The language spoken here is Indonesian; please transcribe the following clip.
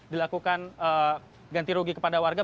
dilakukan ganti rugi kepada warga